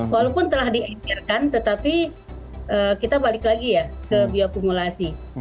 walaupun telah diikirkan tetapi kita balik lagi ya ke biokumulasi